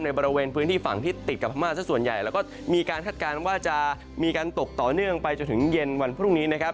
บริเวณพื้นที่ฝั่งที่ติดกับพม่าสักส่วนใหญ่แล้วก็มีการคาดการณ์ว่าจะมีการตกต่อเนื่องไปจนถึงเย็นวันพรุ่งนี้นะครับ